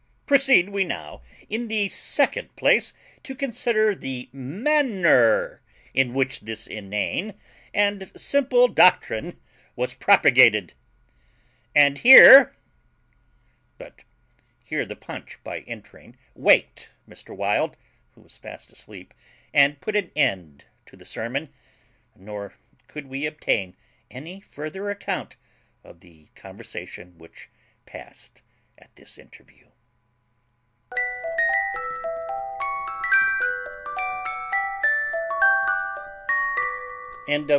Proceed we now, in the second place, to consider the manner in which this inane and simple doctrine was propagated. And here But here the punch by entring waked Mr. Wild, who was fast asleep, and put an end to the sermon; nor could we obtain any further account of the conversation which passed at this interview.